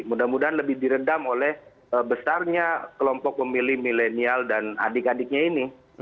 mudah mudahan lebih diredam oleh besarnya kelompok pemilih milenial dan adik adiknya ini